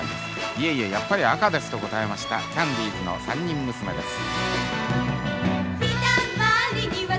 いえいえやっぱり赤ですと答えましたキャンディーズの３人娘です。